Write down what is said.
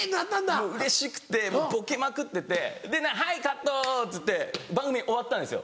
もううれしくてボケまくってて「はいカット」っつって番組終わったんですよ。